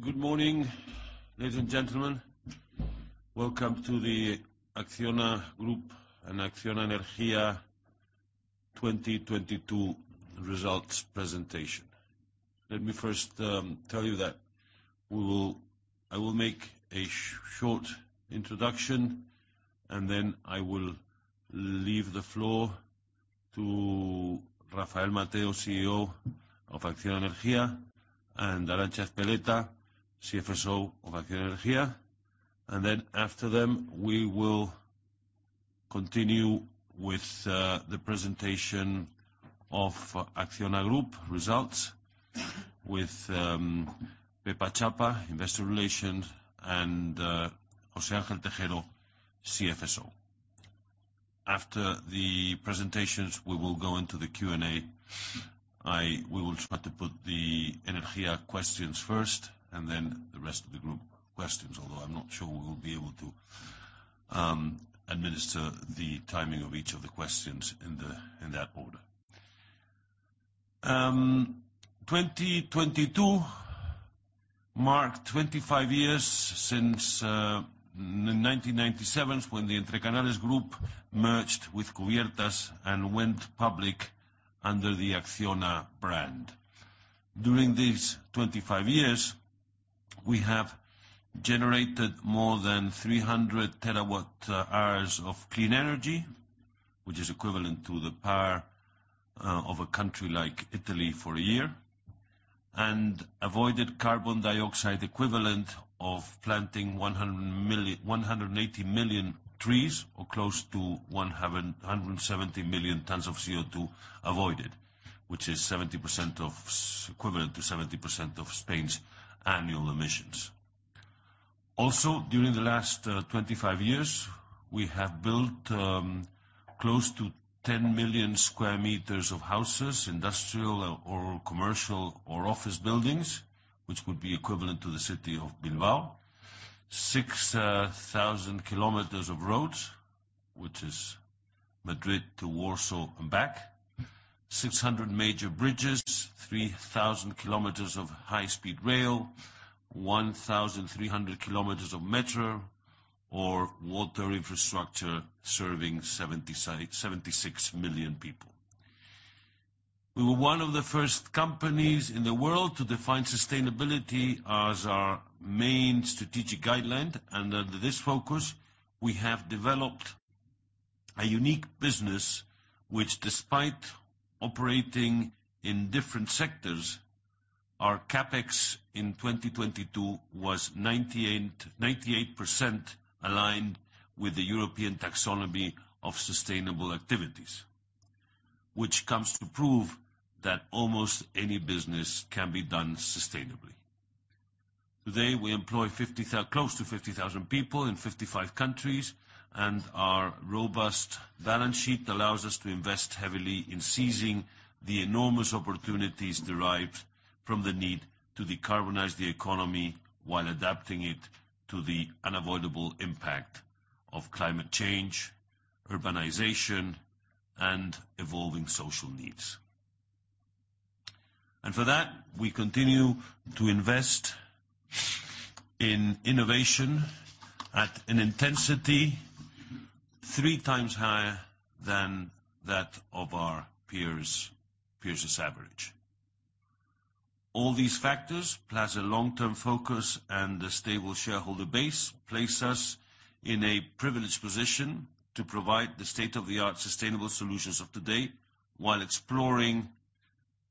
Good morning, ladies and gentlemen. Welcome to the Acciona Group and Acciona Energía 2022 results presentation. Let me first tell you that I will make a short introduction, then I will leave the floor to Rafael Mateo, CEO of Acciona Energía, and Arantza Ezpeleta, CFSO of Acciona Energía. After them, we will continue with the presentation of Acciona Group results with Pepa Chapa, Investor Relations, José Ángel Tejero, CFSO. After the presentations, we will go into the Q&A. We will try to put the Energía questions first, then the rest of the group questions, I'm not sure we will be able to administer the timing of each of the questions in that order. 2022 marked 25 years since 1997, when the Entrecanales group merged with Cubiertas and went public under the Acciona brand. During these 25 years, we have generated more than 300 terawatt-hours of clean energy, which is equivalent to the power of a country like Italy for a year, and avoided carbon dioxide equivalent of planting 180 million trees, or close to 170 million tons of CO2 avoided, which is equivalent to 70% of Spain's annual emissions. During the last 25 years, we have built close to 10 million square meters of houses, industrial or commercial or office buildings, which would be equivalent to the city of Bilbao. 6,000 kilometers of roads, which is Madrid to Warsaw and back. 600 major bridges, 3,000 kilometers of high speed rail, 1,300 kilometers of metro or water infrastructure serving 76 million people. We were one of the first companies in the world to define sustainability as our main strategic guideline, and under this focus, we have developed a unique business, which despite operating in different sectors, our CapEx in 2022 was 98% aligned with the European Taxonomy of Sustainable Activities, which comes to prove that almost any business can be done sustainably. Today, we employ close to 50,000 people in 55 countries, and our robust balance sheet allows us to invest heavily in seizing the enormous opportunities derived from the need to decarbonize the economy, while adapting it to the unavoidable impact of climate change, urbanization, and evolving social needs. For that, we continue to invest in innovation at an intensity three times higher than that of our peers' average. All these factors, plus a long-term focus and a stable shareholder base, place us in a privileged position to provide the state-of-the-art sustainable solutions of today while exploring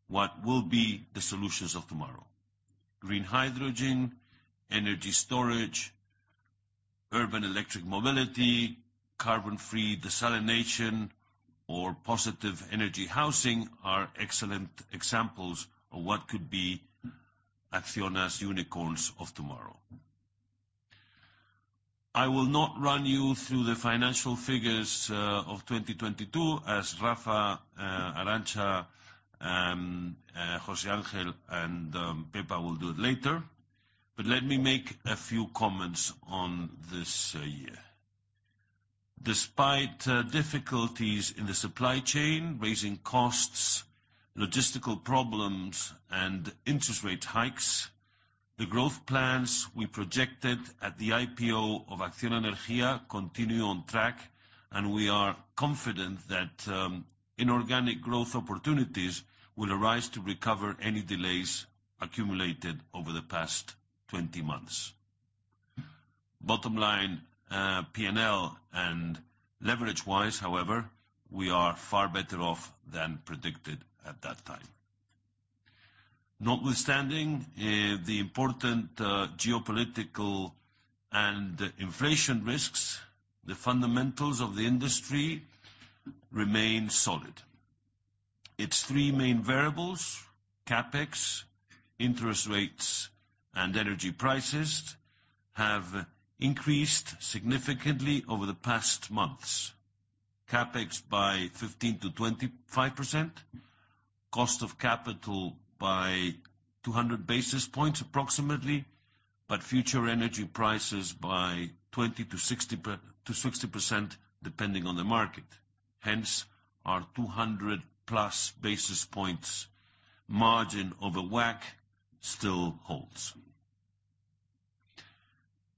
what will be the solutions of tomorrow. Green hydrogen, energy storage, urban electric mobility, carbon-free desalination, or positive energy housing are excellent examples of what could be Acciona's unicorns of tomorrow. I will not run you through the financial figures of 2022 as Rafa, Arantza, José Ángel, and Pepa will do it later. Let me make a few comments on this year. Despite difficulties in the supply chain, raising costs, logistical problems, and interest rate hikes, the growth plans we projected at the IPO of Acciona Energía continue on track, and we are confident that inorganic growth opportunities will arise to recover any delays accumulated over the past 20 months. Bottom line, P&L and leverage-wise, however, we are far better off than predicted at that time. Notwithstanding the important geopolitical and inflation risks, the fundamentals of the industry remain solid. Its three main variables, CapEx, interest rates, and energy prices, have increased significantly over the past months. CapEx by 15%-25%, cost of capital by 200 basis points approximately. But future energy prices by 20% to 60% depending on the market. Our 200+ basis points margin over WACC still holds.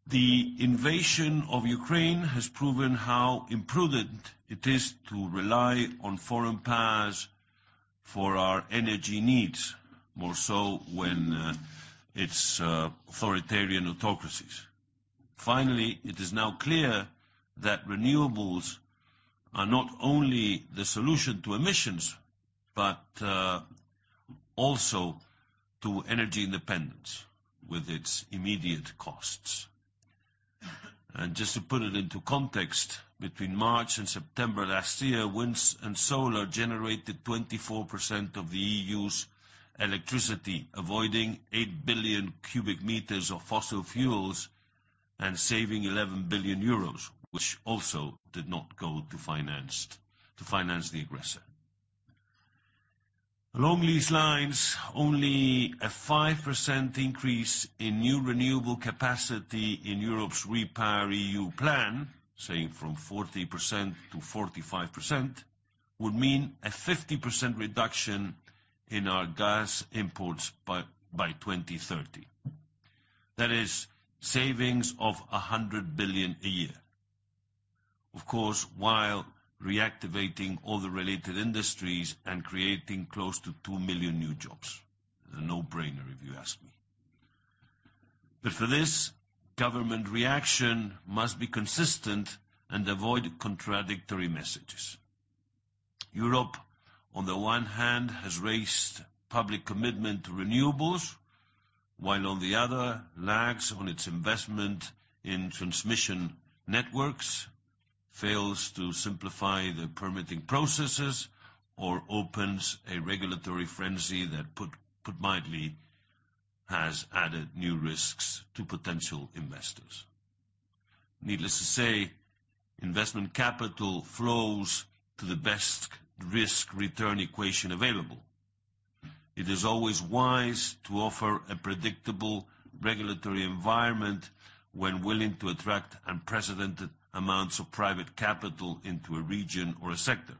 The invasion of Ukraine has proven how imprudent it is to rely on foreign powers for our energy needs, more so when it's authoritarian autocracies. Finally, it is now clear that renewables are not only the solution to emissions, but also to energy independence with its immediate costs. Just to put it into context, between March and September last year, winds and solar generated 24% of the EU's electricity, avoiding 8 billion cubic meters of fossil fuels and saving 11 billion euros, which also did not go to finance the aggressor. Along these lines, only a 5% increase in new renewable capacity in Europe's REPowerEU plan, saying from 40% to 45%, would mean a 50% reduction in our gas imports by 2030. That is savings of 100 billion a year. Of course, while reactivating all the related industries and creating close to 2 million new jobs. A no-brainer if you ask me. For this, government reaction must be consistent and avoid contradictory messages. Europe, on the one hand, has raised public commitment to renewables, while on the other, lags on its investment in transmission networks, fails to simplify the permitting processes, or opens a regulatory frenzy that, put mildly, has added new risks to potential investors. Needless to say, investment capital flows to the best risk-return equation available. It is always wise to offer a predictable regulatory environment when willing to attract unprecedented amounts of private capital into a region or a sector.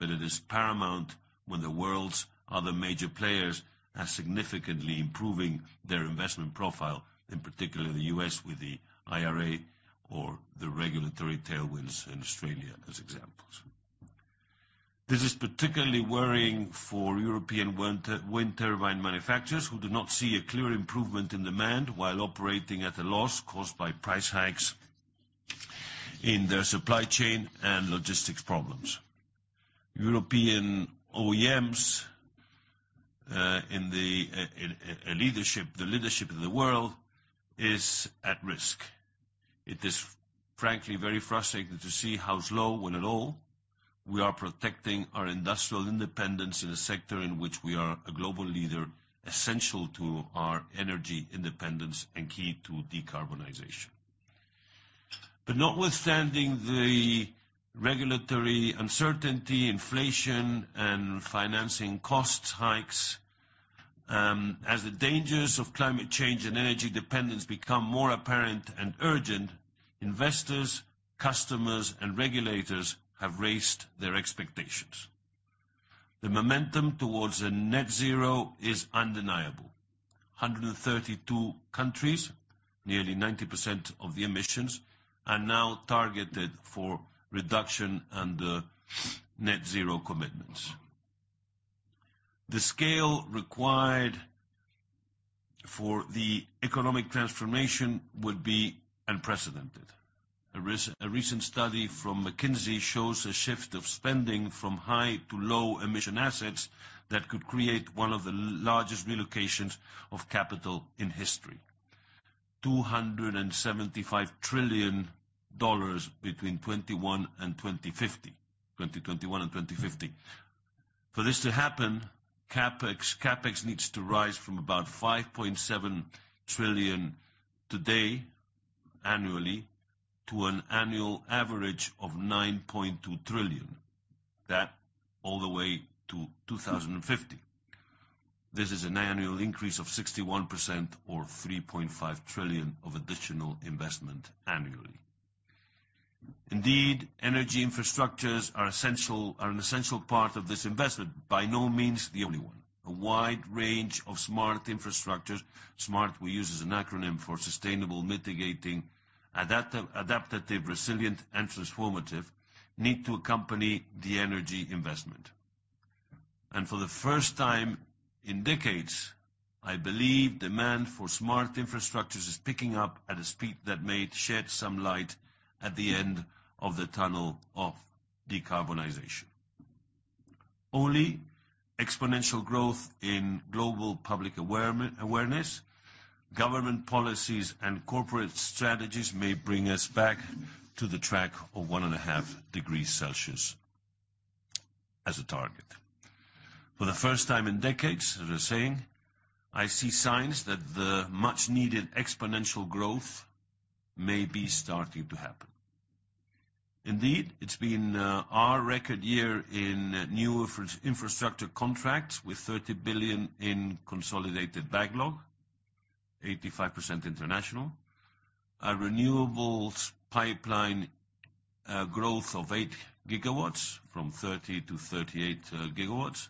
It is paramount when the world's other major players are significantly improving their investment profile, in particular the U.S. with the IRA or the regulatory tailwinds in Australia, as examples. This is particularly worrying for European wind turbine manufacturers who do not see a clear improvement in demand while operating at a loss caused by price hikes in their supply chain and logistics problems. European OEMs, in the leadership in the world is at risk. It is frankly very frustrating to see how slow, when at all, we are protecting our industrial independence in a sector in which we are a global leader, essential to our energy independence and key to decarbonization. Notwithstanding the regulatory uncertainty, inflation, and financing cost hikes, as the dangers of climate change and energy dependence become more apparent and urgent, investors, customers, and regulators have raised their expectations. The momentum towards a net zero is undeniable. 132 countries, nearly 90% of the emissions, are now targeted for reduction under net zero commitments. A recent study from McKinsey shows a shift of spending from high to low emission assets that could create one of the largest relocations of capital in history. $275 trillion between 2021 and 2050. For this to happen, CapEx needs to rise from about $5.7 trillion today annually to an annual average of $9.2 trillion. That all the way to 2050. This is an annual increase of 61% or $3.5 trillion of additional investment annually. Energy infrastructures are an essential part of this investment, by no means the only one. A wide range of SMART infrastructures. SMART we use as an acronym for Sustainable, Mitigating, Adaptative, Resilient and Transformative, need to accompany the energy investment. For the first time in decades, I believe demand for SMART infrastructures is picking up at a speed that may shed some light at the end of the tunnel of decarbonization. Only exponential growth in global public awareness, government policies and corporate strategies may bring us back to the track of 1.5 degrees Celsius as a target. For the first time in decades, as I was saying, I see signs that the much-needed exponential growth may be starting to happen. Indeed, it's been our record year in new infrastructure contracts with 30 billion in consolidated backlog, 85% international. Our renewables pipeline, growth of 8 gigawatts from 30-38 gigawatts,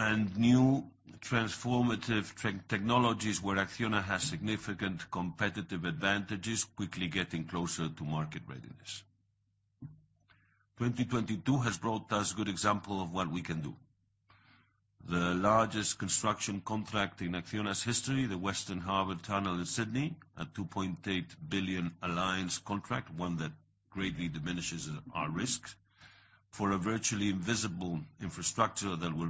and new transformative technologies where Acciona has significant competitive advantages quickly getting closer to market readiness. 2022 has brought us good example of what we can do. The largest construction contract in Acciona's history, the Western Harbour Tunnel in Sydney, a 2.8 billion alliance contract, one that greatly diminishes our risk for a virtually invisible infrastructure that will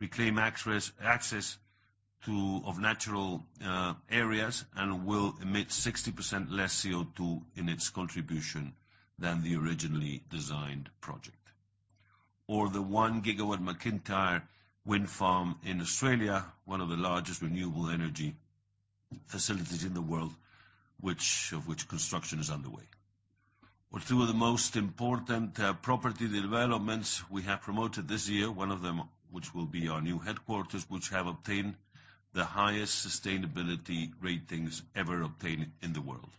reclaim access to, of natural areas and will emit 60% less CO2 in its contribution than the originally designed project. The 1-gigawatt MacIntyre wind farm in Australia, one of the largest renewable energy facilities in the world, of which construction is underway. Two of the most important property developments we have promoted this year, 1 of them, which will be our new headquarters, which have obtained the highest sustainability ratings ever obtained in the world.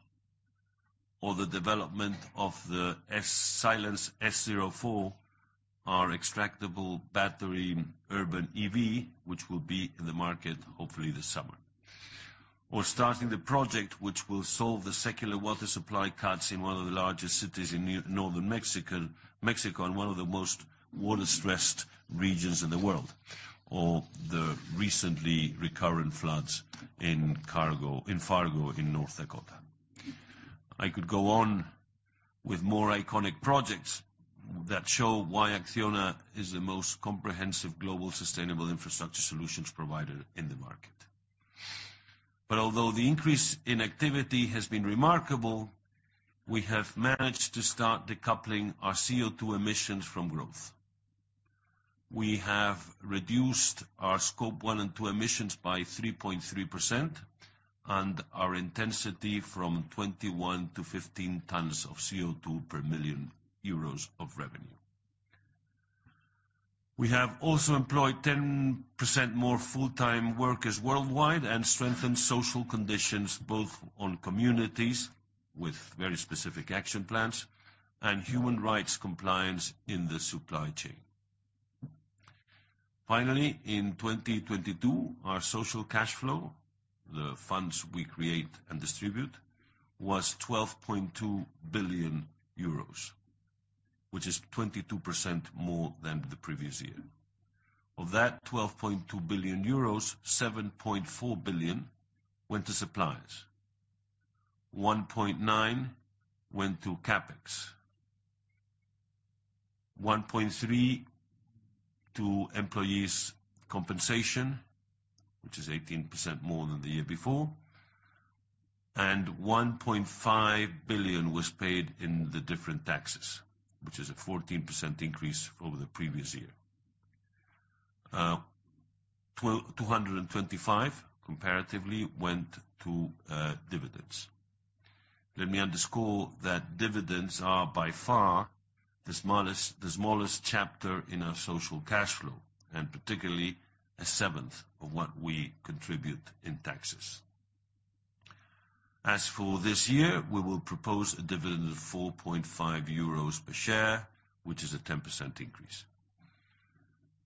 The development of the Silence S04, our extractable battery urban EV, which will be in the market hopefully this summer. Starting the project which will solve the secular water supply crisis in 1 of the largest cities in northern Mexico, and 1 of the most water-stressed regions in the world. The recently recurrent floods in Fargo in North Dakota. I could go on with more iconic projects that show why Acciona is the most comprehensive global sustainable infrastructure solutions provider in the market. Although the increase in activity has been remarkable, we have managed to start decoupling our CO2 emissions from growth. We have reduced our Scope 1 and 2 emissions by 3.3%, and our intensity from 21 to 15 tons of CO2 per million EUR of revenue. We have also employed 10% more full-time workers worldwide and strengthened social conditions, both on communities with very specific action plans and human rights compliance in the supply chain. Finally, in 2022, our social cash flow, the funds we create and distribute, was 12.2 billion euros, which is 22% more than the previous year. Of that 12.2 billion euros, 7.4 billion went to suppliers, 1.9 billion went to CapEx, 1.3 billion to employees compensation, which is 18% more than the year before, and 1.5 billion was paid in the different taxes, which is a 14% increase over the previous year. 225 comparatively went to dividends. Let me underscore that dividends are by far the smallest chapter in our social cash flow, and particularly a seventh of what we contribute in taxes. This year, we will propose a dividend of 4.5 euros per share, which is a 10% increase.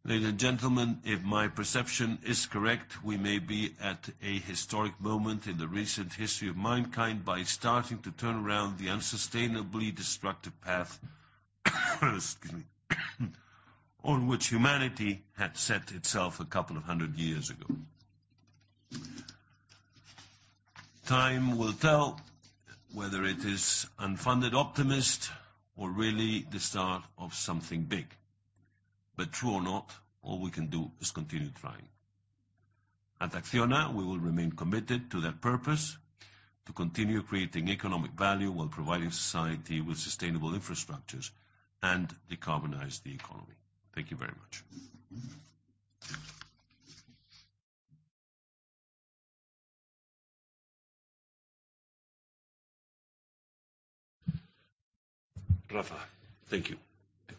Ladies and gentlemen, if my perception is correct, we may be at a historic moment in the recent history of mankind by starting to turn around the unsustainably destructive path, excuse me, on which humanity had set itself a couple of hundred years ago. Time will tell whether it is unfunded optimist or really the start of something big. True or not, all we can do is continue trying. At Acciona, we will remain committed to that purpose, to continue creating economic value while providing society with sustainable infrastructures and decarbonize the economy. Thank you very much. Rafa, thank you.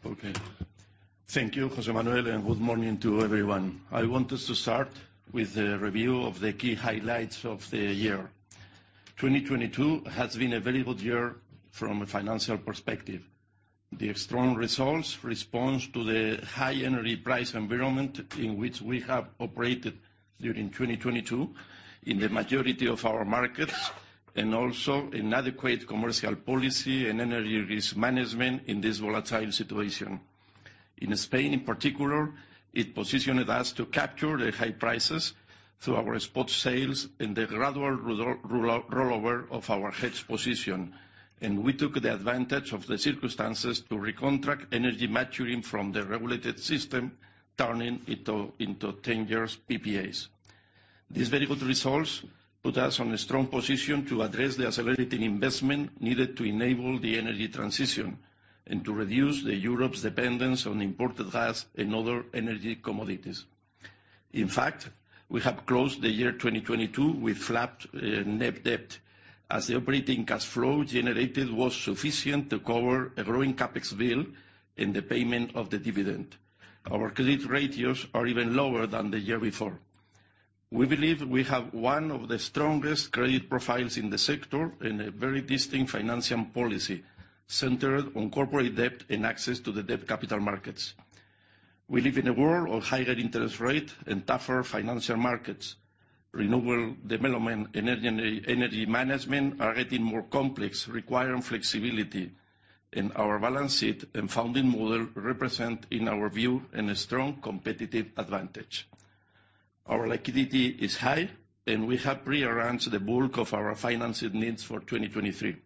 Okay. Thank you, José Manuel, good morning to everyone. I want us to start with a review of the key highlights of the year. 2022 has been a very good year from a financial perspective. The strong results responds to the high energy price environment in which we have operated during 2022 in the majority of our markets, and also in adequate commercial policy and energy risk management in this volatile situation. In Spain, in particular, it positioned us to capture the high prices through our spot sales and the gradual rollover of our hedge position. We took the advantage of the circumstances to recontract energy maturing from the regulated system, turning it into 10-year PPAs. These very good results put us on a strong position to address the accelerating investment needed to enable the energy transition. To reduce the Europe's dependence on imported gas and other energy commodities. In fact, we have closed the year 2022 with flat net debt as the operating cash flow generated was sufficient to cover a growing CapEx bill and the payment of the dividend. Our credit ratios are even lower than the year before. We believe we have one of the strongest credit profiles in the sector and a very distinct financial policy centered on corporate debt and access to the debt capital markets. We live in a world of higher interest rate and tougher financial markets. Renewable development energy management are getting more complex, requiring flexibility, and our balance sheet and funding model represent, in our view, in a strong competitive advantage. Our liquidity is high. We have pre-arranged the bulk of our financing needs for 2023.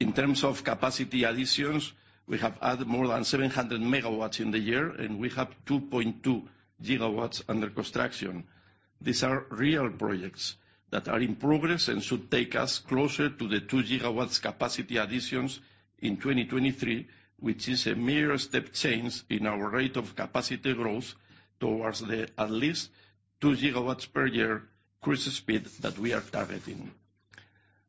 In terms of capacity additions, we have added more than 700 megawatts in the year, and we have 2.2 gigawatts under construction. These are real projects that are in progress and should take us closer to the 2 gigawatts capacity additions in 2023, which is a mere step change in our rate of capacity growth towards the at least 2 gigawatts per year cruise speed that we are targeting.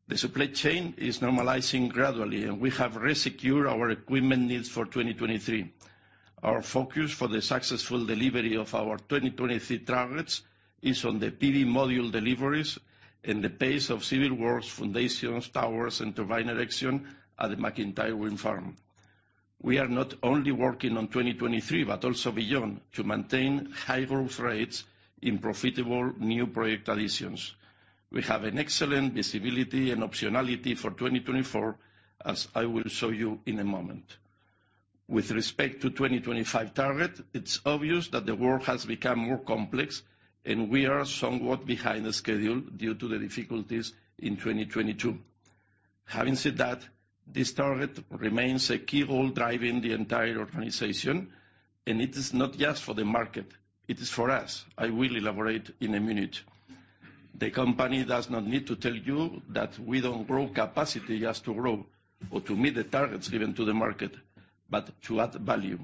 The supply chain is normalizing gradually, and we have resecure our equipment needs for 2023. Our focus for the successful delivery of our 2023 targets is on the PV module deliveries and the pace of civil works, foundations, towers, and turbine erection at the McIntyre Wind Farm. We are not only working on 2023 but also beyond to maintain high growth rates in profitable new project additions. We have an excellent visibility and optionality for 2024, as I will show you in a moment. With respect to 2025 target, it's obvious that the world has become more complex. We are somewhat behind the schedule due to the difficulties in 2022. Having said that, this target remains a key goal driving the entire organization. It is not just for the market, it is for us. I will elaborate in a minute. The company does not need to tell you that we don't grow capacity just to grow or to meet the targets given to the market, but to add value.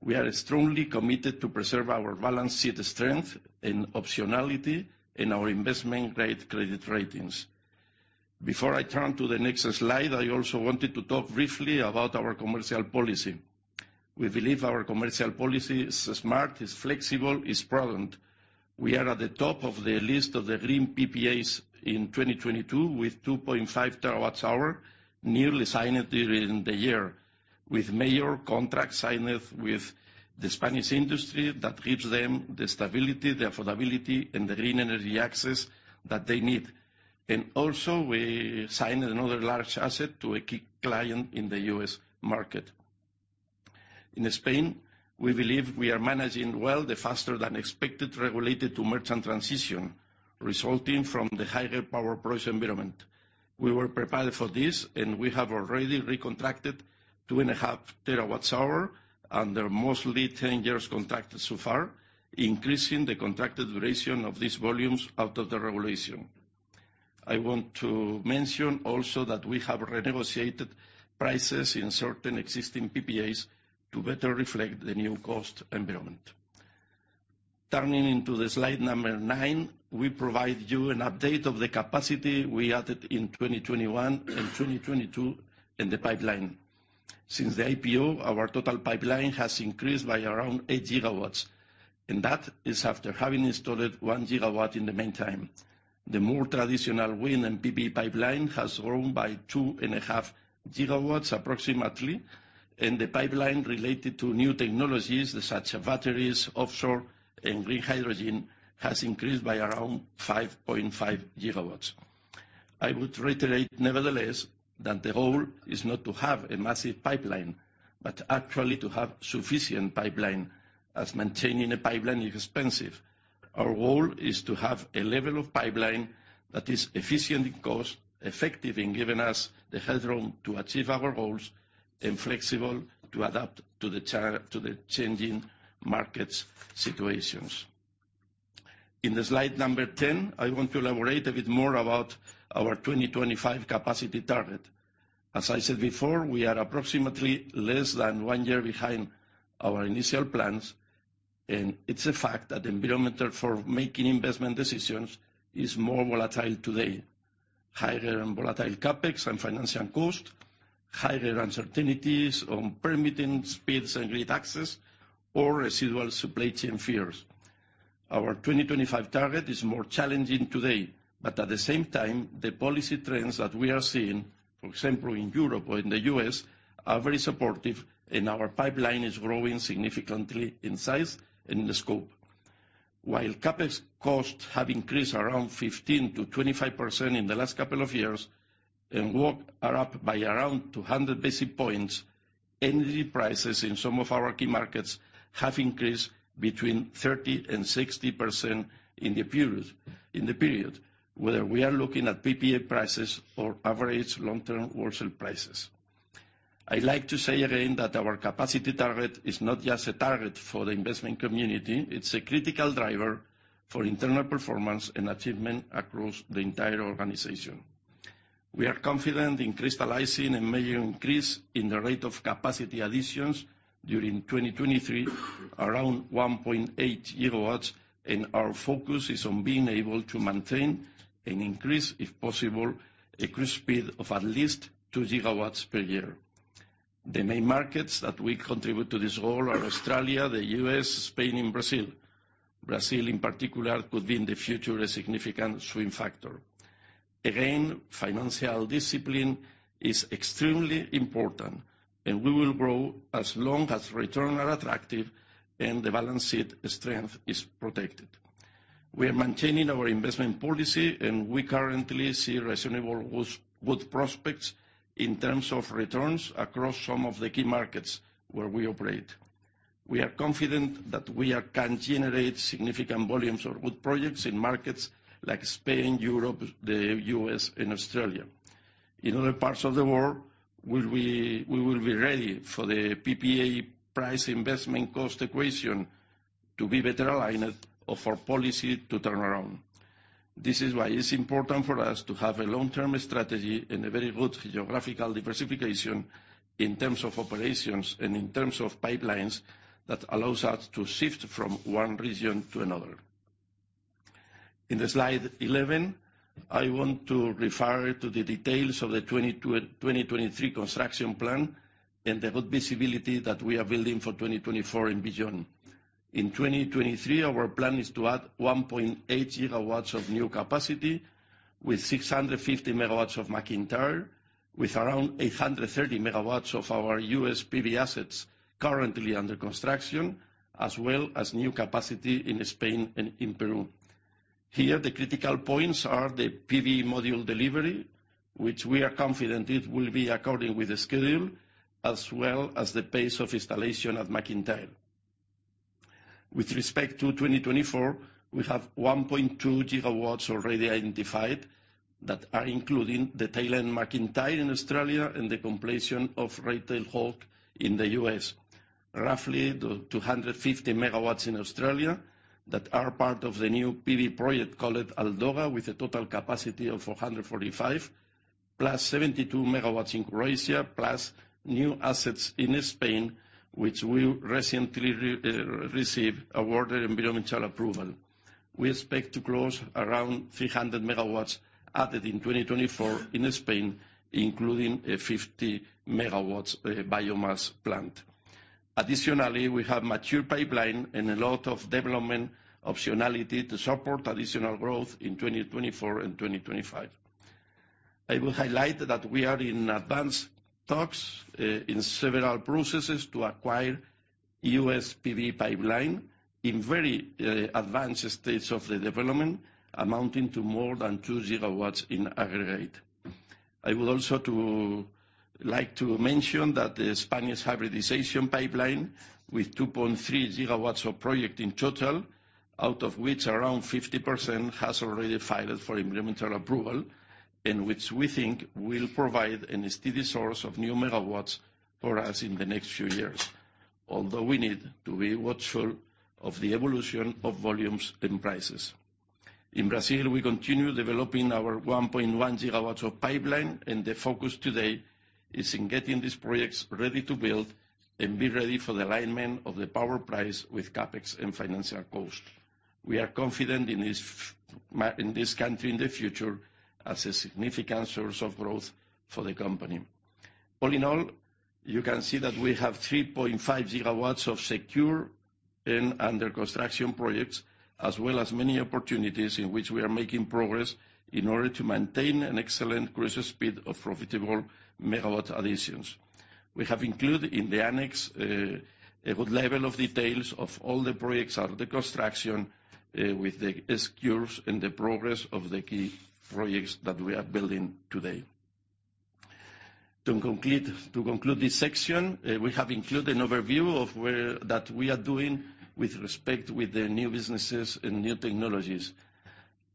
We are strongly committed to preserve our balance sheet strength and optionality and our investment-grade credit ratings. Before I turn to the next slide, I also wanted to talk briefly about our commercial policy. We believe our commercial policy is SMART, is flexible, is prudent. We are at the top of the list of the green PPAs in 2022 with 2.5 terawatt-hours newly signed during the year, with major contracts signed with the Spanish industry that gives them the stability, the affordability, and the green energy access that they need. We signed another large asset to a key client in the U.S. market. In Spain, we believe we are managing well the faster than expected regulated to merchant transition resulting from the higher power price environment. We were prepared for this, we have already recontracted 2.5 terawatt-hours under mostly 10 years contract so far, increasing the contracted duration of these volumes out of the regulation. I want to mention also that we have renegotiated prices in certain existing PPAs to better reflect the new cost environment. Turning into slide number nine, we provide you an update of the capacity we added in 2021 and 2022 in the pipeline. Since the IPO, our total pipeline has increased by around 8 gigawatts. That is after having installed 1 gigawatt in the meantime. The more traditional wind and PV pipeline has grown by 2.5 gigawatts approximately. The pipeline related to new technologies, such as batteries, offshore, and green hydrogen, has increased by around 5.5 gigawatts. I would reiterate, nevertheless, that the goal is not to have a massive pipeline, but actually to have sufficient pipeline as maintaining a pipeline is expensive. Our goal is to have a level of pipeline that is efficient in cost, effective in giving us the headroom to achieve our goals, and flexible to adapt to the changing markets situations. In the slide number 10, I want to elaborate a bit more about our 2025 capacity target. As I said before, we are approximately less than 1 year behind our initial plans. It's a fact that the environment for making investment decisions is more volatile today. Higher and volatile CapEx and financial cost, higher uncertainties on permitting speeds and grid access or residual supply chain fears. Our 2025 target is more challenging today. At the same time, the policy trends that we are seeing, for example, in Europe or in the U.S., are very supportive. Our pipeline is growing significantly in size and in scope. While CapEx costs have increased around 15%-25% in the last couple of years and WACC are up by around 200 basis points, energy prices in some of our key markets have increased between 30% and 60% in the period, whether we are looking at PPA prices or average long-term wholesale prices. I like to say again that our capacity target is not just a target for the investment community, it's a critical driver for internal performance and achievement across the entire organization. We are confident in crystallizing a major increase in the rate of capacity additions during 2023, around 1.8 gigawatts, and our focus is on being able to maintain an increase, if possible, a growth speed of at least 2 gigawatts per year. The main markets that will contribute to this role are Australia, the U.S., Spain, and Brazil. Brazil in particular could be in the future a significant swing factor. Again, financial discipline is extremely important, and we will grow as long as return are attractive and the balance sheet strength is protected. We are maintaining our investment policy, and we currently see reasonable good prospects in terms of returns across some of the key markets where we operate. We are confident that we can generate significant volumes or good projects in markets like Spain, Europe, the US, and Australia. In other parts of the world, we will be ready for the PPA price investment cost equation to be better aligned of our policy to turn around. This is why it's important for us to have a long-term strategy and a very good geographical diversification in terms of operations and in terms of pipelines that allows us to shift from one region to another. In the slide 11, I want to refer to the details of the 2023 construction plan and the good visibility that we are building for 2024 and beyond. 2023, our plan is to add 1.8 gigawatts of new capacity with 650 megawatts of McIntyre, with around 830 megawatts of our U.S. PV assets currently under construction, as well as new capacity in Spain and in Peru. Here, the critical points are the PV module delivery, which we are confident it will be according with the schedule, as well as the pace of installation at McIntyre. Respect to 2024, we have 1.2 gigawatts already identified that are including the tail end McIntyre in Australia and the completion of Red-Tailed Hawk in the U.S. Roughly 250 megawatts in Australia that are part of the new PV project called Aldoga, with a total capacity of 445, plus 72 megawatts in Croatia, plus new assets in Spain, which we recently re-receive awarded environmental approval. We expect to close around 300 megawatts added in 2024 in Spain, including a 50 megawatts biomass plant. Additionally, we have mature pipeline and a lot of development optionality to support additional growth in 2024 and 2025. I will highlight that we are in advanced talks in several processes to acquire US PV pipeline in very advanced states of the development, amounting to more than 2 gigawatts in aggregate. I would also like to mention that the Spanish hybridization pipeline with 2.3 gigawatts of project in total, out of which around 50% has already filed for environmental approval, and which we think will provide a steady source of new megawatts for us in the next few years. We need to be watchful of the evolution of volumes and prices. In Brazil, we continue developing our 1.1 gigawatts of pipeline, and the focus today is in getting these projects ready to build and be ready for the alignment of the power price with CapEx and financial costs. We are confident in this country in the future as a significant source of growth for the company. All in all, you can see that we have 3.5 gigawatts of secure and under construction projects, as well as many opportunities in which we are making progress in order to maintain an excellent growth speed of profitable megawatt additions. We have included in the annex a good level of details of all the projects under construction, with the S-curves and the progress of the key projects that we are building today. To conclude this section, we have included an overview of that we are doing with respect with the new businesses and new technologies.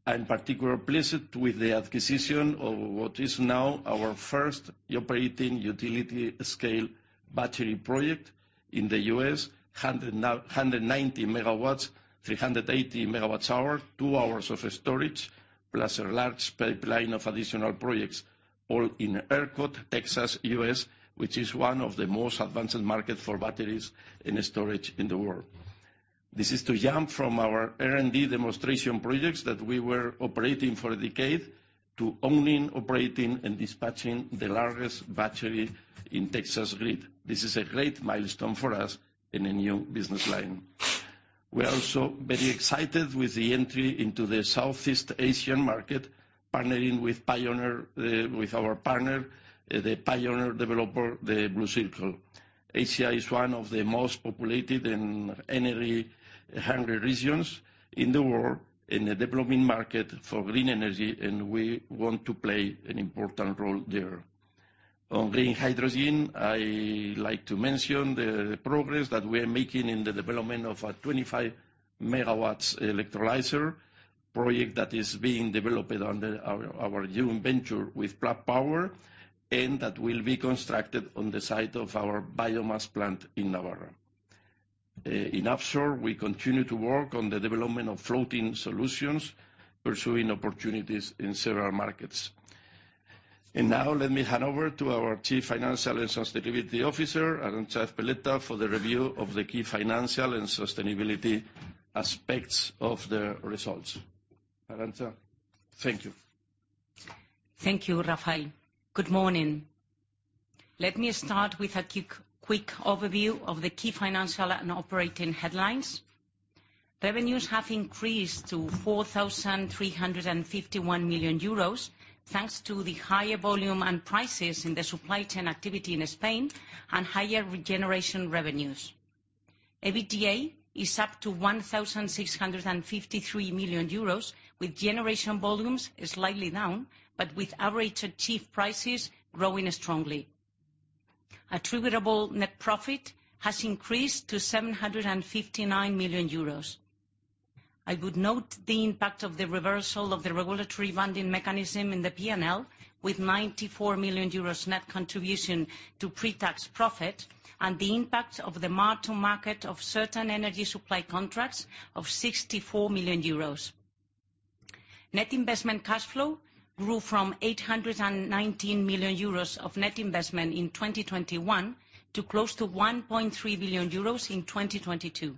I'm particular pleased with the acquisition of what is now our first operating utility scale battery project in the US. 990 megawatts, 380 megawatt-hours, 2 hours of storage, plus a large pipeline of additional projects, all in ERCOT, Texas, U.S., which is one of the most advanced market for batteries and storage in the world. This is to jump from our R&D demonstration projects that we were operating for a decade to owning, operating, and dispatching the largest battery in Texas grid. This is a great milestone for us in a new business line. We are also very excited with the entry into the Southeast Asian market, partnering with our partner, the pioneer developer, The Blue Circle. Asia is one of the most populated and energy-hungry regions in the world, in a developing market for green energy, and we want to play an important role there. On green hydrogen, I like to mention the progress that we are making in the development of a 25 MW electrolyzer project that is being developed under our joint venture with Plug Power, and that will be constructed on the site of our biomass plant in Navarra. In offshore, we continue to work on the development of floating solutions, pursuing opportunities in several markets. Now let me hand over to our Chief Financial and Sustainability Officer, Arantza Ezpeleta, for the review of the key financial and sustainability aspects of the results. Arantza? Thank you. Thank you, Rafael. Good morning. Let me start with a quick overview of the key financial and operating headlines. Revenues have increased to 4,351 million euros, thanks to the higher volume and prices in the supply chain activity in Spain and higher regeneration revenues. EBITDA is up to 1,653 million euros, with generation volumes slightly down, but with average achieved prices growing strongly. Attributable net profit has increased to 759 million euros. I would note the impact of the reversal of the regulatory funding mechanism in the P&L, with 94 million euros net contribution to pre-tax profit and the impact of the mark to market of certain energy supply contracts of 64 million euros. Net investment cash flow grew from 819 million euros of net investment in 2021 to close to 1.3 billion euros in 2022.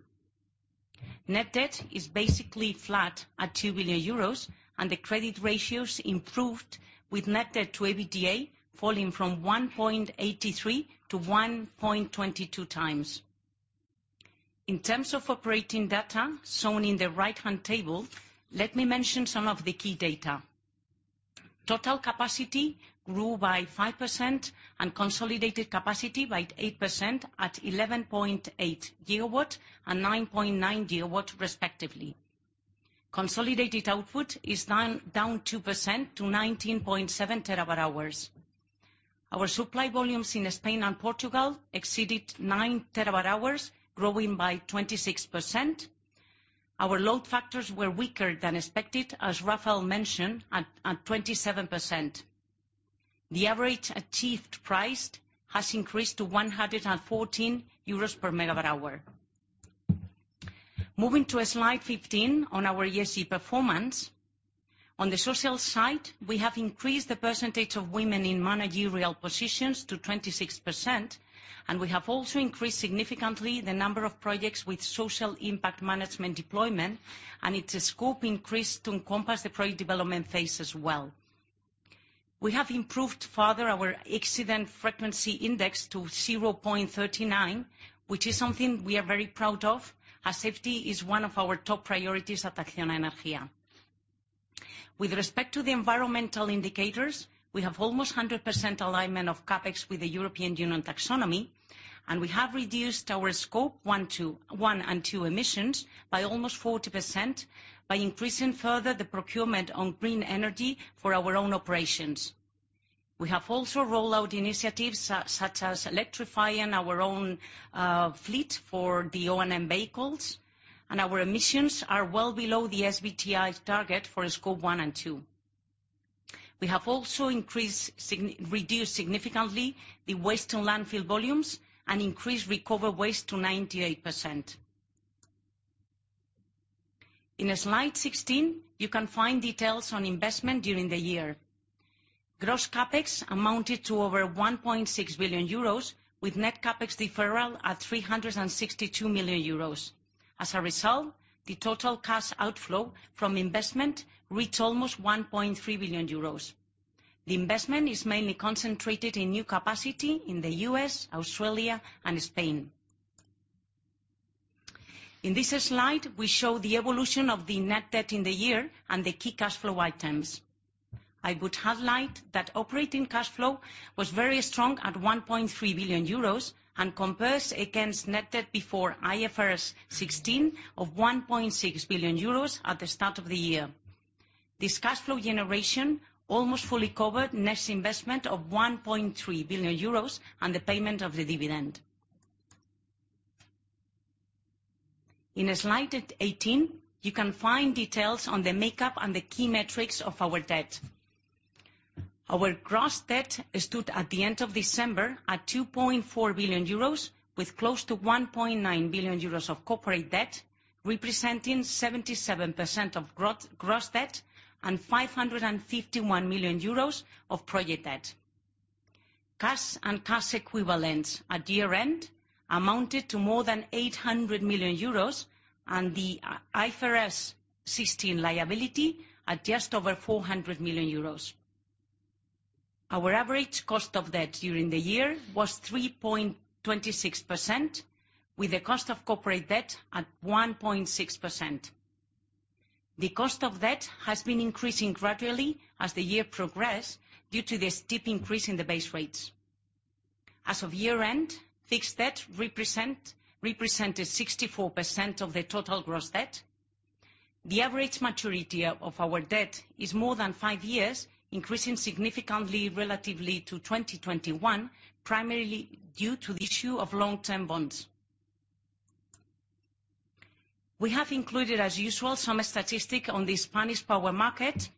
Net debt is basically flat at 2 billion euros and the credit ratios improved with net debt to EBITDA falling from 1.83 to 1.22 times. In terms of operating data, shown in the right-hand table, let me mention some of the key data. Total capacity grew by 5% and consolidated capacity by 8% at 11.8 gigawatt and 9.9 gigawatt respectively. Consolidated output is down 2% to 19.7 terawatt-hours. Our supply volumes in Spain and Portugal exceeded 9 terawatt-hours, growing by 26%. Our load factors were weaker than expected, as Rafael mentioned, at 27%. The average achieved price has increased to 114 euros per megawatt-hour. Moving to slide 15 on our ESG performance. On the social side, we have increased the percentage of women in managerial positions to 26%. We have also increased significantly the number of projects with social impact management deployment. Its scope increased to encompass the project development phase as well. We have improved further our accident frequency index to 0.39, which is something we are very proud of, as safety is one of our top priorities at Acciona Energía. With respect to the environmental indicators, we have almost 100% alignment of CapEx with the European Union Taxonomy. We have reduced our Scope 1 and 2 emissions by almost 40% by increasing further the procurement on green energy for our own operations. We have also rolled out initiatives such as electrifying our own fleet for the O&M vehicles, and our emissions are well below the SBTi target for Scope 1 and 2. We have also reduced significantly the waste to landfill volumes and increased recovered waste to 98%. In slide 16, you can find details on investment during the year. Gross CapEx amounted to over 1.6 billion euros, with net CapEx deferral at 362 million euros. As a result, the total cash outflow from investment reached almost 1.3 billion euros. The investment is mainly concentrated in new capacity in the US, Australia, and Spain. In this slide, we show the evolution of the net debt in the year and the key cash flow items. I would highlight that operating cash flow was very strong at 1.3 billion euros and compares against net debt before IFRS 16 of 1.6 billion euros at the start of the year. This cash flow generation almost fully covered next investment of 1.3 billion euros and the payment of the dividend. In slide E-18, you can find details on the makeup and the key metrics of our debt. Our gross debt stood at the end of December at 2.4 billion euros, with close to 1.9 billion euros of corporate debt, representing 77% of gross debt and 551 million euros of project debt. Cash and cash equivalents at year-end amounted to more than 800 million euros, and the IFRS 16 liability at just over 400 million euros. Our average cost of debt during the year was 3.26%, with the cost of corporate debt at 1.6%. The cost of debt has been increasing gradually as the year progressed due to the steep increase in the base rates. As of year-end, fixed debt represented 64% of the total gross debt. The average maturity of our debt is more than 5 years, increasing significantly relatively to 2021, primarily due to the issue of long-term bonds. We have included as usual some statistics on the Spanish power market.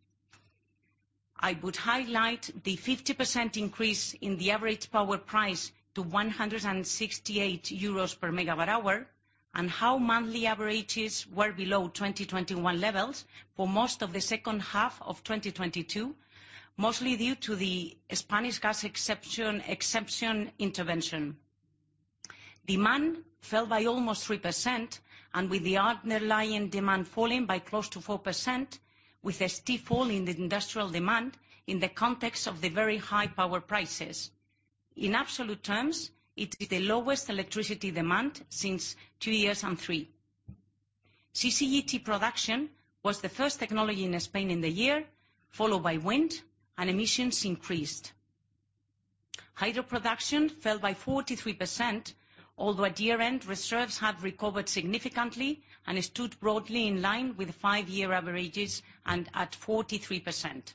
I would highlight the 50% increase in the average power price to 168 euros per megawatt-hour, and how monthly averages were below 2021 levels for most of the second half of 2022, mostly due to the Spanish gas exception intervention. Demand fell by almost 3% with the underlying demand falling by close to 4%, with a steep fall in the industrial demand in the context of the very high power prices. In absolute terms, it is the lowest electricity demand since 2 years and 3. CCGT production was the first technology in Spain in the year, followed by wind, and emissions increased. Hydro production fell by 43%, although at year-end, reserves had recovered significantly and stood broadly in line with 5-year averages, and at 43%.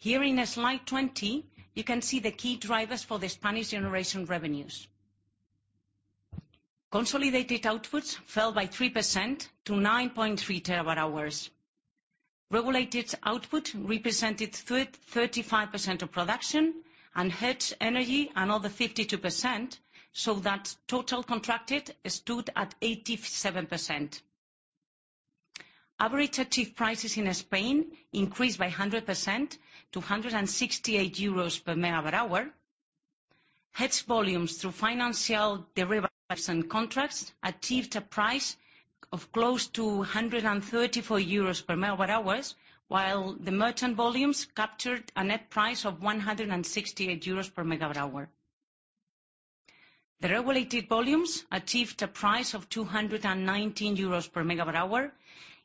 Here in slide 20, you can see the key drivers for the Spanish generation revenues. Consolidated outputs fell by 3% to 9.3 TWh. Regulated output represented 35% of production and hedged energy another 52%, so that total contracted stood at 87%. Average achieved prices in Spain increased by 100% to 168 euros per megawatt-hour. Hedged volumes through financial derivatives and contracts achieved a price of close to 134 euros per megawatt-hour, while the merchant volumes captured a net price of 168 euros per megawatt-hour. The regulated volumes achieved a price of 219 euros per megawatt-hour.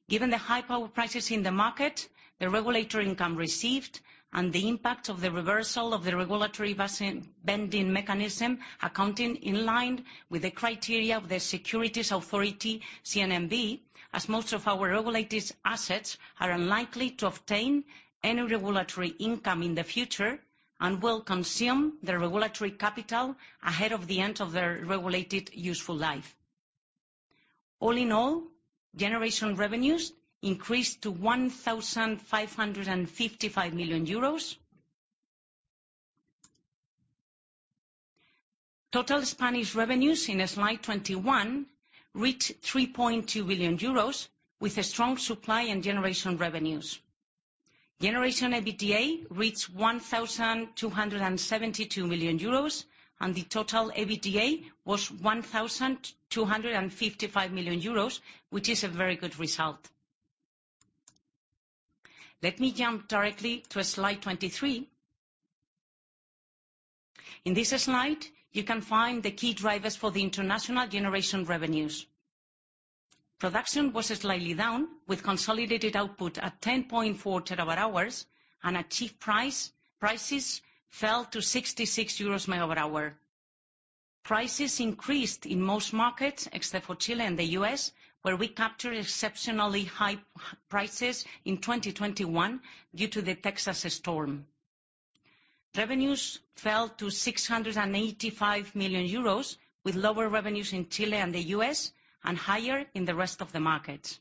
Given the high power prices in the market, the regulatory income received and the impact of the reversal of the regulatory vas-bending mechanism, accounting in line with the criteria of the securities authority, CNMV, as most of our regulated assets are unlikely to obtain any regulatory income in the future and will consume the regulatory capital ahead of the end of their regulated useful life. All in all, generation revenues increased to 1,555 million euros. Total Spanish revenues in slide 21 reached 3.2 billion euros, with strong supply and generation revenues. Generation EBITDA reached 1,272 million euros, and the total EBITDA was 1,255 million euros, which is a very good result. Let me jump directly to slide 23. In this slide, you can find the key drivers for the international generation revenues. Production was slightly down with consolidated output at 10.4 terawatt-hours and achieved prices fell to 66 euros megawatt-hour. Prices increased in most markets, except for Chile and the U.S., where we captured exceptionally high prices in 2021 due to the Texas storm. Revenues fell to 685 million euros, with lower revenues in Chile and the U.S., and higher in the rest of the markets.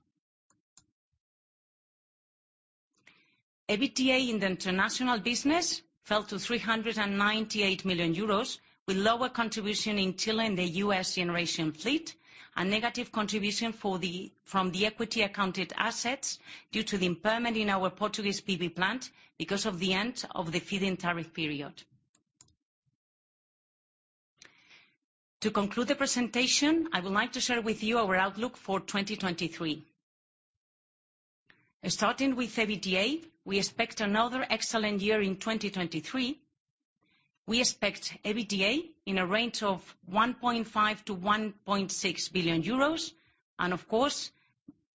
EBITDA in the international business fell to 398 million euros, with lower contribution in Chile and the U.S. generation fleet, and negative contribution from the equity accounted assets due to the impairment in our Portuguese PV plant because of the end of the feed-in tariff period. To conclude the presentation, I would like to share with you our outlook for 2023. Starting with EBITDA, we expect another excellent year in 2023. We expect EBITDA in a range of 1.5 billion-1.6 billion euros, and of course,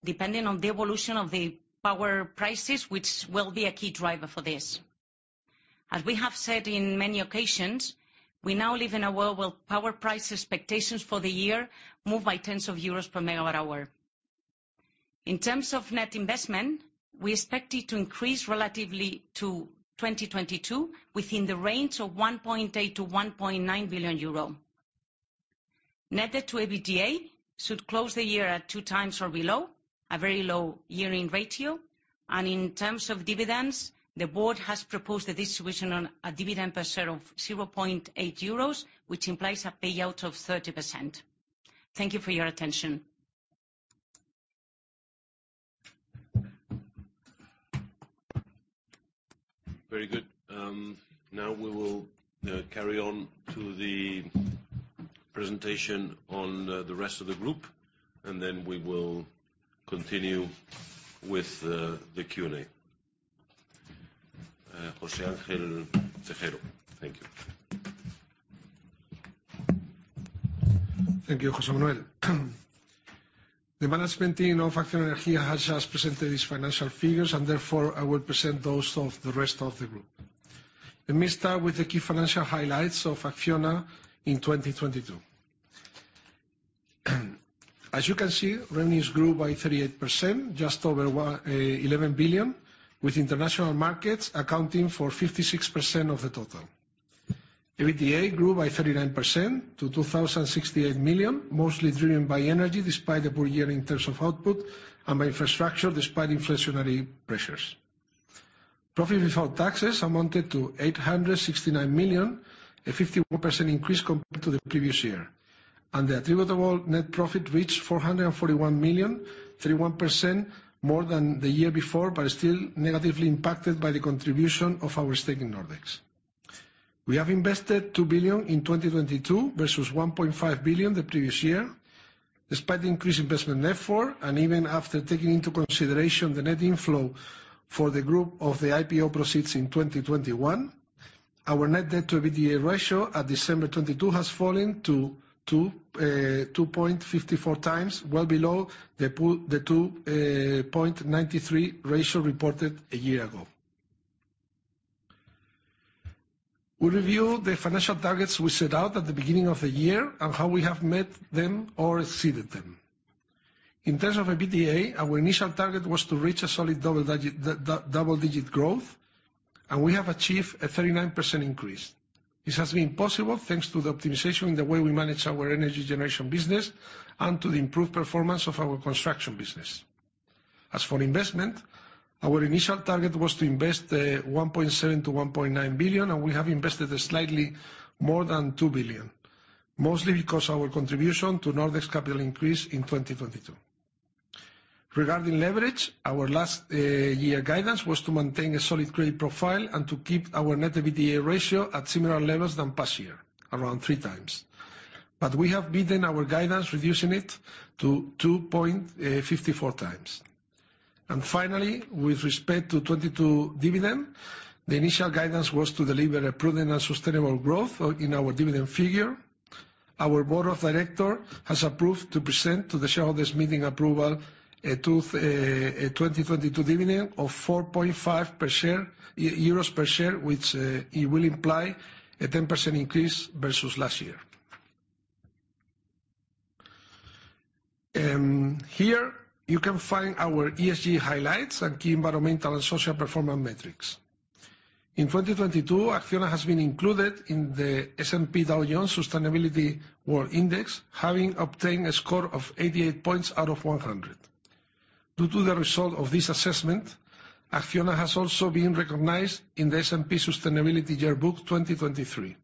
depending on the evolution of the power prices, which will be a key driver for this. As we have said in many occasions, we now live in a world where power price expectations for the year move by tens of EUR per megawatt-hour. In terms of net investment, we expect it to increase relatively to 2022 within the range of 1.8 billion-1.9 billion euro. Net debt to EBITDA should close the year at 2 times or below, a very low year-end ratio. In terms of dividends, the board has proposed the distribution on a dividend per share of 0.8 euros, which implies a payout of 30%. Thank you for your attention. Very good. Now we will carry on to the presentation on the rest of the group, and then we will continue with the Q&A. José Ángel Tejero. Thank you. Thank you, José Manuel. The management team of Acciona Energía has just presented its financial figures, therefore, I will present those of the rest of the group. Let me start with the key financial highlights of Acciona in 2022. As you can see, revenues grew by 38%, just over 11 billion, with international markets accounting for 56% of the total. EBITDA grew by 39% to 2,068 million, mostly driven by energy despite the poor year in terms of output, and by infrastructure despite inflationary pressures. Profit before taxes amounted to 869 million, a 51% increase compared to the previous year. The attributable net profit reached 441 million, 31% more than the year before, but still negatively impacted by the contribution of our stake in Nordex. We have invested 2 billion in 2022 versus 1.5 billion the previous year. Despite the increased investment therefore, and even after taking into consideration the net inflow for the group of the IPO proceeds in 2021, our net debt-to-EBITDA ratio at December 2022 has fallen to 2.54 times, well below the 2.93 ratio reported a year ago. We review the financial targets we set out at the beginning of the year and how we have met them or exceeded them. In terms of our EBITDA, our initial target was to reach a solid double-digit growth, and we have achieved a 39% increase. This has been possible thanks to the optimization in the way we manage our energy generation business and to the improved performance of our construction business. As for investment, our initial target was to invest 1.7 billion-1.9 billion, and we have invested slightly more than 2 billion, mostly because our contribution to Nordex capital increase in 2022. Regarding leverage, our last year guidance was to maintain a solid credit profile and to keep our net-to-EBITDA ratio at similar levels than past year, around 3 times. But we have beaten our guidance, reducing it to 2.54 times. And finally, with respect to 2022 dividend, the initial guidance was to deliver a prudent and sustainable growth in our dividend figure. Our board of director has approved to present to the shareholders' meeting approval a 2022 dividend of 4.5 per share, euros per share, which it will imply a 10% increase versus last year. Here you can find our ESG highlights and key environmental and social performance metrics. In 2022, Acciona has been included in the S&P Dow Jones Sustainability World Index, having obtained a score of 88 points out of 100. Due to the result of this assessment, Acciona has also been recognized in the S&P Sustainability Yearbook 2023.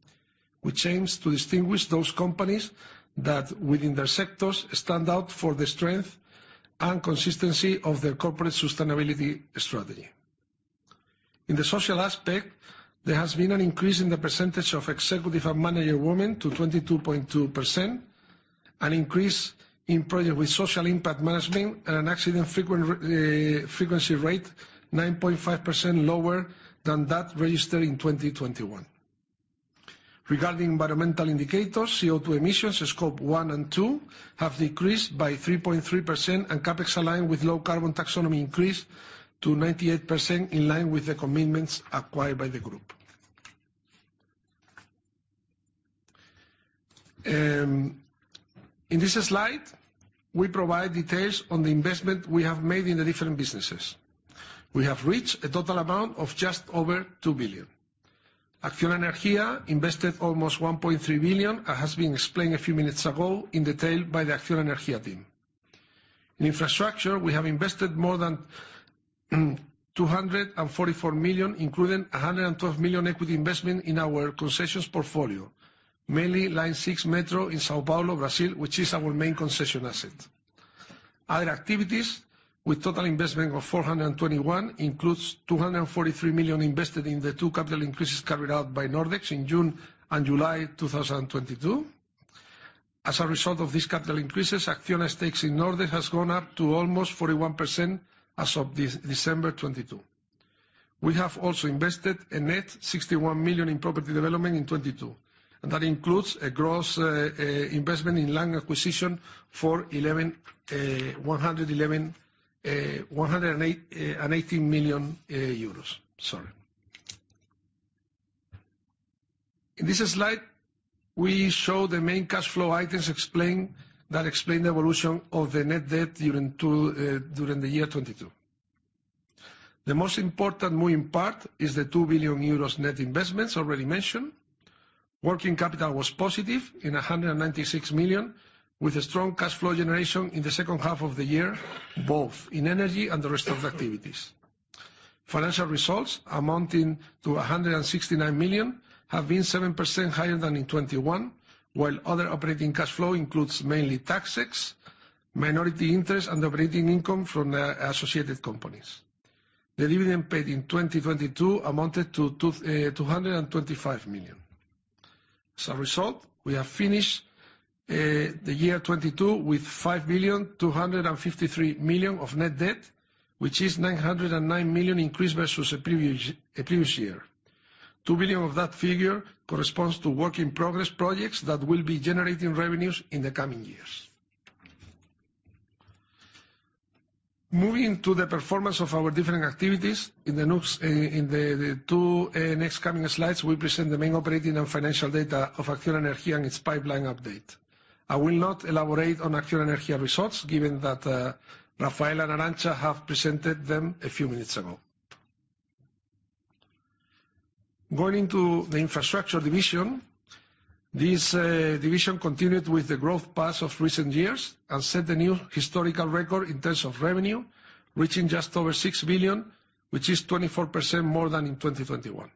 We change to distinguish those companies that, within their sectors, stand out for the strength and consistency of their corporate sustainability strategy. In the social aspect, there has been an increase in the percentage of executive and manager women to 22.2%, an increase in project with social impact management, and an accident frequency rate 9.5% lower than that registered in 2021. Regarding environmental indicators, CO2 emissions, Scope 1 and 2, have decreased by 3.3%, and CapEx aligned with low carbon taxonomy increased to 98% in line with the commitments acquired by the group. In this slide, we provide details on the investment we have made in the different businesses. We have reached a total amount of just over 2 billion. Acciona Energía invested almost 1.3 billion, as has been explained a few minutes ago in detail by the Acciona Energía team. In infrastructure, we have invested more than 244 million, including 112 million equity investment in our concessions portfolio, mainly Line 6 Metro in São Paulo, Brazil, which is our main concession asset. Other activities with total investment of 421 includes 243 million invested in the two capital increases carried out by Nordex in June and July 2022. As a result of these capital increases, Acciona stakes in Nordex has gone up to almost 41% as of December 2022. We have also invested a net 61 million in property development in 2022. That includes a gross investment in land acquisition for 180 million. Sorry. In this slide, we show the main cash flow items that explain the evolution of the net debt during the year 2022. The most important moving part is the 2 billion euros net investments already mentioned. Working capital was positive in 196 million, with a strong cash flow generation in the second half of the year, both in energy and the rest of activities. Financial results amounting to 169 million have been 7% higher than in 2021, while other operating cash flow includes mainly tax ticks, minority interest, and operating income from the associated companies. The dividend paid in 2022 amounted to 225 million. As a result, we have finished the year 2022 with 5,253 million of net debt, which is 909 million increase versus the previous year. 2 billion of that figure corresponds to work in progress projects that will be generating revenues in the coming years. Moving to the performance of our different activities, in the two next coming slides, we present the main operating and financial data of Acciona Energía and its pipeline update. I will not elaborate on Acciona Energía results given that Rafael and Arantza have presented them a few minutes ago. Going to the infrastructure division. This division continued with the growth path of recent years and set a new historical record in terms of revenue, reaching just over 6 billion, which is 24% more than in 2021.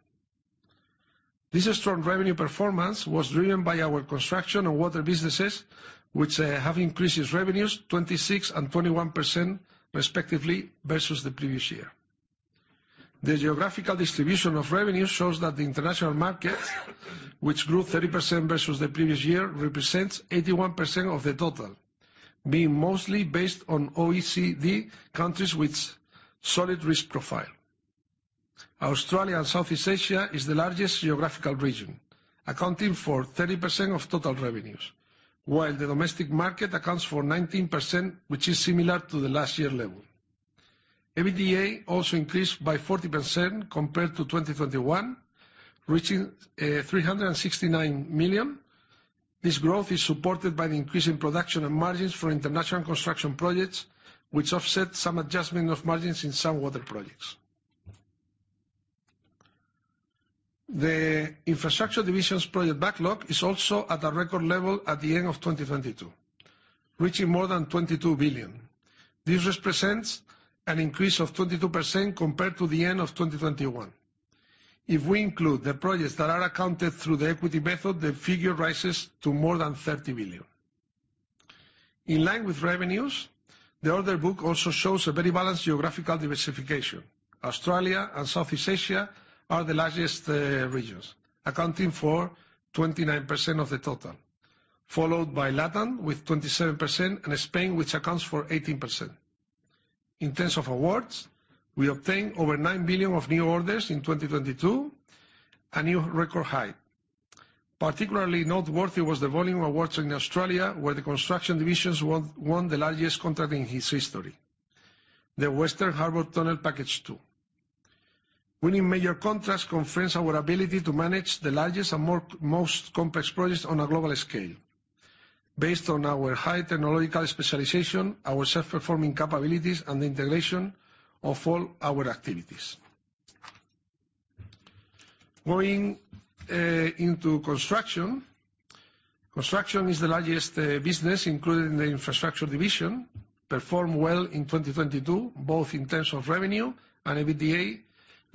This strong revenue performance was driven by our construction and water businesses, which have increased revenues 26% and 21% respectively versus the previous year. The geographical distribution of revenues shows that the international market, which grew 30% versus the previous year, represents 81% of the total, being mostly based on OECD countries with solid risk profile. Australia and Southeast Asia is the largest geographical region, accounting for 30% of total revenues, while the domestic market accounts for 19%, which is similar to the last year level. EBITDA also increased by 40% compared to 2021, reaching 369 million. This growth is supported by the increase in production and margins for international construction projects, which offset some adjustment of margins in some water projects. The infrastructure division's project backlog is also at a record level at the end of 2022, reaching more than 22 billion. This represents an increase of 22% compared to the end of 2021. If we include the projects that are accounted through the equity method, the figure rises to more than 30 billion. In line with revenues, the order book also shows a very balanced geographical diversification. Australia and Southeast Asia are the largest regions, accounting for 29% of the total, followed by Latin with 27%, and Spain, which accounts for 18%. In terms of awards, we obtained over 9 billion of new orders in 2022, a new record high. Particularly noteworthy was the volume of awards in Australia, where the construction divisions won the largest contract in its history, the Western Harbour Tunnel Stage 2. Winning major contracts confirms our ability to manage the largest and most complex projects on a global scale. Based on our high technological specialization, our self-performing capabilities, and integration of all our activities. Going into construction. Construction is the largest business, including the infrastructure division, performed well in 2022, both in terms of revenue and EBITDA,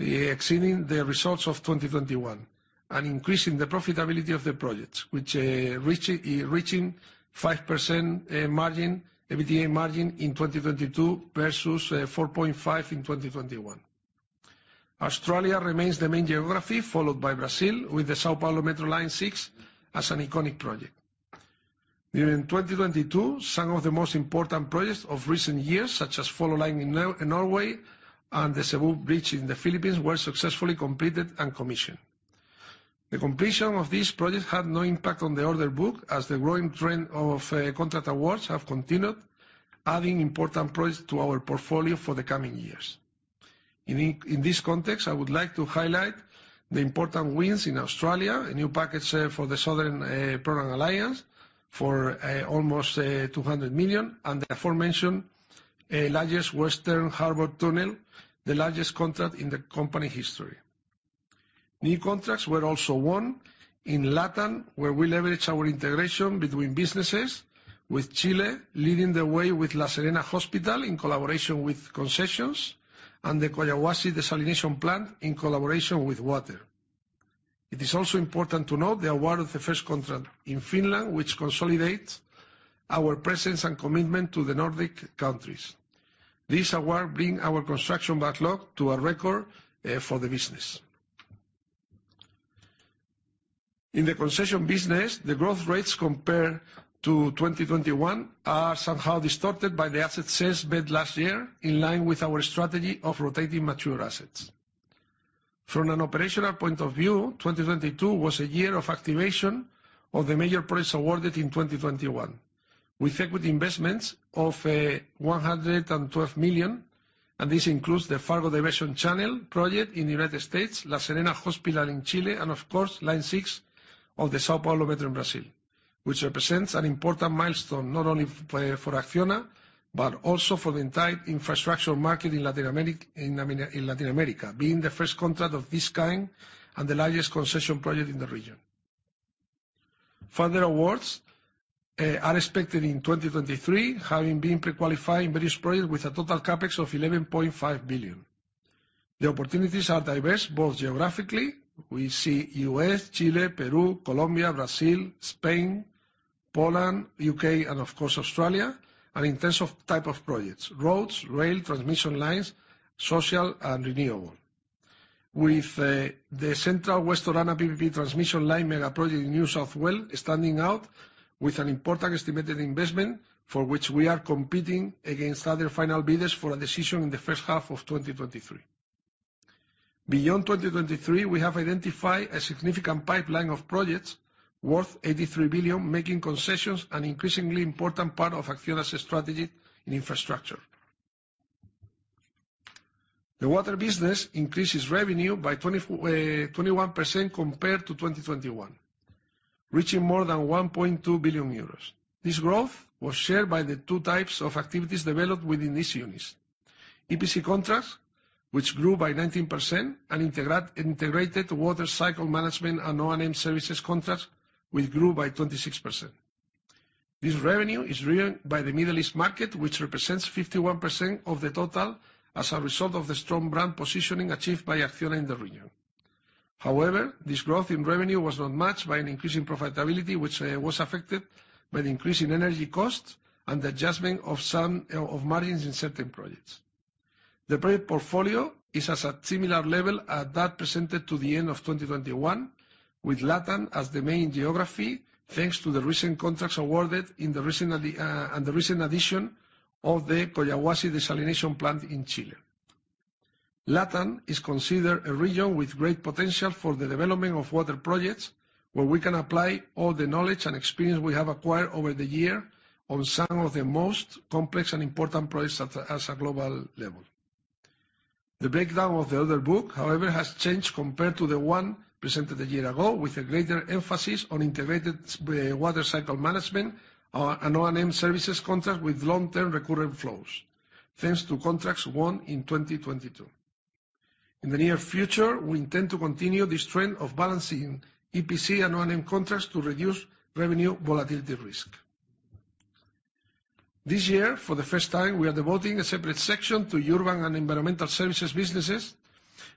exceeding the results of 2021 and increasing the profitability of the projects, which reaching 5% margin, EBITDA margin in 2022 versus 4.5 in 2021. Australia remains the main geography, followed by Brazil, with the São Paulo Metro Line 6 as an iconic project. During 2022, some of the most important projects of recent years, such as Follo Line in Norway and the Cebu Bridge in the Philippines, were successfully completed and commissioned. The completion of these projects had no impact on the order book as the growing trend of contract awards have continued, adding important projects to our portfolio for the coming years. In this context, I would like to highlight the important wins in Australia, a new package for the Southern Program Alliance for almost 200 million, and the aforementioned largest Western Harbour Tunnel, the largest contract in the company history. New contracts were also won in Latin, where we leverage our integration between businesses, with Chile leading the way with La Serena Hospital in collaboration with concessions and the Collahuasi Desalination Plant in collaboration with Water. It is also important to note the award of the first contract in Finland, which consolidates our presence and commitment to the Nordic countries. This award bring our construction backlog to a record for the business. In the concession business, the growth rates compared to 2021 are somehow distorted by the asset sales made last year, in line with our strategy of rotating mature assets. From an operational point of view, 2022 was a year of activation of the major projects awarded in 2021. With equity investments of 112 million, and this includes the Fargo Diversion Channel project in the United States, La Serena Hospital in Chile, and of course, Line Six of the São Paulo Metro in Brazil, which represents an important milestone, not only for Acciona, but also for the entire infrastructure market in Latin America, being the first contract of this kind and the largest concession project in the region. Further awards are expected in 2023, having been pre-qualified in various projects with a total CapEx of 11.5 billion. The opportunities are diverse, both geographically. We see U.S., Chile, Peru, Colombia, Brazil, Spain, Poland, U.K., of course, Australia, in terms of type of projects, roads, rail, transmission lines, social, and renewable. With the Central West Orana PPP Transmission Line mega project in New South Wales standing out with an important estimated investment for which we are competing against other final bidders for a decision in the first half of 2023. Beyond 2023, we have identified a significant pipeline of projects worth 83 billion, making concessions an increasingly important part of Acciona's strategy in infrastructure. The water business increases revenue by 21% compared to 2021, reaching more than 1.2 billion euros. This growth was shared by the two types of activities developed within these units: EPC contracts, which grew by 19%, and integrated water cycle management and O&M services contracts, which grew by 26%. This revenue is driven by the Middle East market, which represents 51% of the total as a result of the strong brand positioning achieved by Acciona in the region. This growth in revenue was not matched by an increase in profitability, which was affected by the increase in energy costs and the adjustment of some of margins in certain projects. The project portfolio is as a similar level as that presented to the end of 2021, with LatAm as the main geography, thanks to the recent contracts awarded in the recent and the recent addition of the Collahuasi Desalination Plant in Chile. LatAm is considered a region with great potential for the development of water projects, where we can apply all the knowledge and experience we have acquired over the year on some of the most complex and important projects as a global level. The breakdown of the order book, however, has changed compared to the one presented a year ago, with a greater emphasis on integrated water cycle management and O&M services contracts with long-term recurrent flows, thanks to contracts won in 2022. In the near future, we intend to continue this trend of balancing EPC and O&M contracts to reduce revenue volatility risk. This year, for the first time, we are devoting a separate section to urban and environmental services businesses,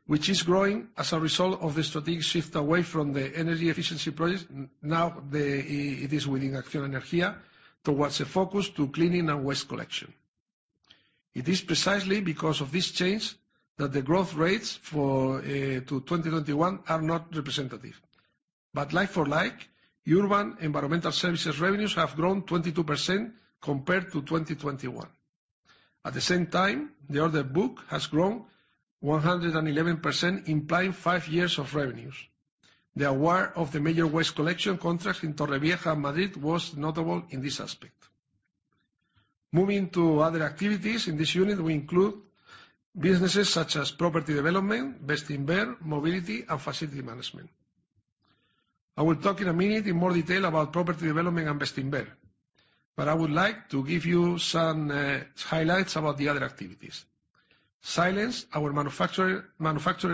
which is growing as a result of the strategic shift away from the energy efficiency projects. Now the, it is within Acciona Energía towards a focus to cleaning and waste collection. It is precisely because of this change that the growth rates for to 2021 are not representative. Like for like, urban environmental services revenues have grown 22% compared to 2021. At the same time, the order book has grown 111%, implying 5 years of revenues. The award of the major waste collection contracts in Torrevieja, Madrid was notable in this aspect. Moving to other activities, in this unit we include businesses such as property development, Bestinver, mobility, and facility management. I will talk in a minute in more detail about property development and Bestinver, but I would like to give you some highlights about the other activities. Silence, our manufacturer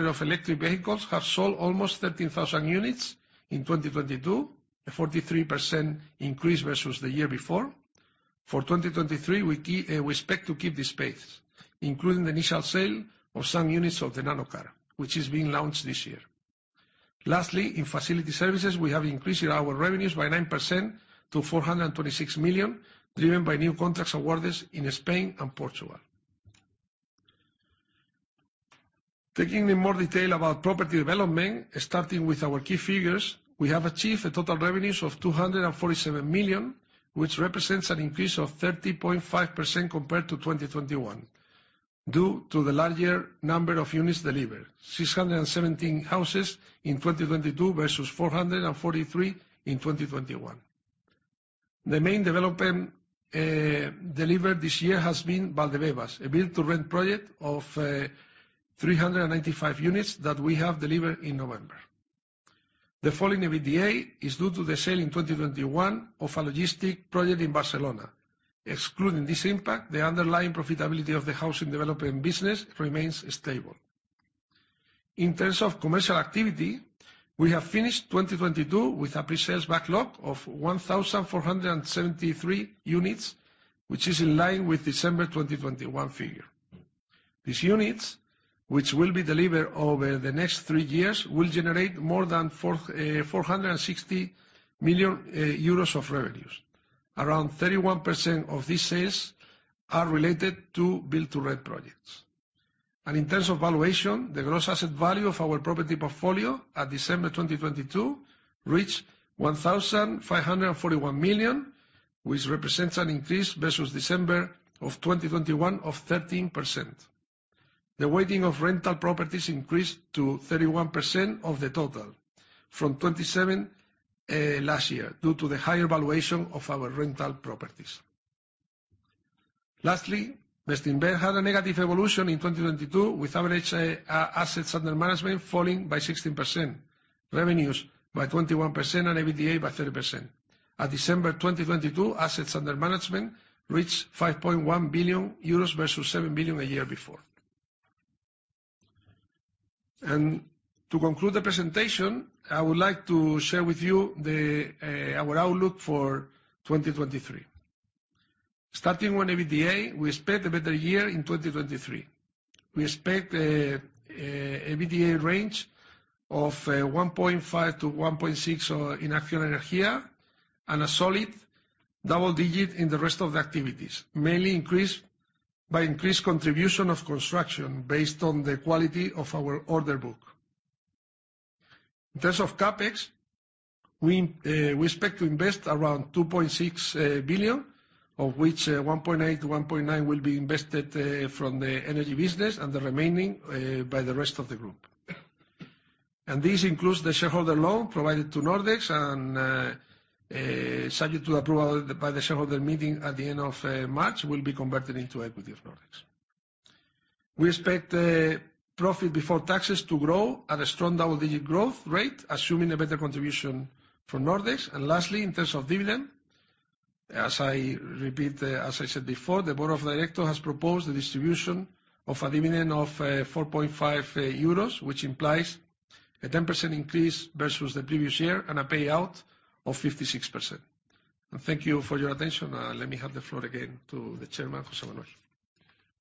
of electric vehicles, have sold almost 13,000 units in 2022, a 43% increase versus the year before. 2023, we expect to keep this pace, including the initial sale of some units of the Nanocar, which is being launched this year. Lastly, in facility services, we have increased our revenues by 9% to 426 million, driven by new contracts awarded in Spain and Portugal. Taking in more detail about property development, starting with our key figures, we have achieved total revenues of 247 million, which represents an increase of 30.5% compared to 2021, due to the larger number of units delivered, 617 houses in 2022 versus 443 in 2021. The main development delivered this year has been Valdebebas, a build-to-rent project of 395 units that we have delivered in November. The fall in EBITDA is due to the sale in 2021 of a logistic project in Barcelona. Excluding this impact, the underlying profitability of the housing development business remains stable. In terms of commercial activity, we have finished 2022 with a pre-sales backlog of 1,473 units, which is in line with December 2021 figure. These units, which will be delivered over the next 3 years, will generate more than 460 million euros of revenues. Around 31% of these sales are related to build-to-rent projects. In terms of valuation, the gross asset value of our property portfolio at December 2022 reached 1,541 million, which represents an increase versus December 2021 of 13%. The weighting of rental properties increased to 31% of the total from 27 last year, due to the higher valuation of our rental properties. Lastly, Bestinver had a negative evolution in 2022 with average assets under management falling by 16%, revenues by 21%, and EBITDA by 30%. At December 2022, assets under management reached 5.1 billion euros versus 7 billion a year before. To conclude the presentation, I would like to share with you our outlook for 2023. Starting on EBITDA, we expect a better year in 2023. We expect a EBITDA range of 1.5 billion-1.6 billion in Acciona Energía and a solid double-digit in the rest of the activities, mainly increased by increased contribution of construction based on the quality of our order book. In terms of CapEx, we expect to invest around 2.6 billion, of which 1.8 billion-1.9 billion will be invested from the energy business and the remaining by the rest of the group. This includes the shareholder loan provided to Nordex and subject to approval by the shareholder meeting at the end of March will be converted into equity of Nordex. We expect profit before taxes to grow at a strong double-digit growth rate, assuming a better contribution from Nordex. Lastly, in terms of dividend, as I said before, the board of directors has proposed the distribution of a dividend of 4.5 euros, which implies a 10% increase versus the previous year and a payout of 56%. Thank you for your attention, and let me hand the floor again to the Chairman, José Manuel.